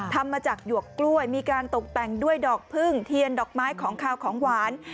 ทำมาจากหยวกกล้วยมีการตกแต่งด้วยดอกพึ่งเทียนดอกไม้ของขาวของหวาน